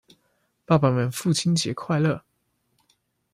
爸爸們父親節快樂！